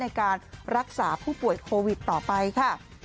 ในการรักษาผู้ป่วยโควิดต่อไปค่ะ